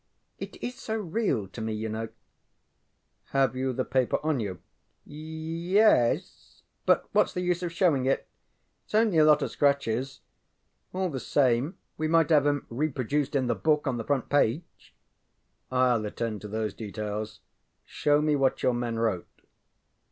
It is so real to me, yŌĆÖknow. ŌĆØ ŌĆ£Have you the paper on you? ŌĆØ ŌĆ£Ye es, but whatŌĆÖs the use of showing it? ItŌĆÖs only a lot of scratches. All the same, we might have ŌĆśem reproduced in the book on the front page. ŌĆØ ŌĆ£IŌĆÖll attend to those details. Show me what your men wrote.